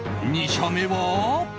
２社目は。